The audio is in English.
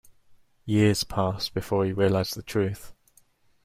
Years passed before he realized the truth.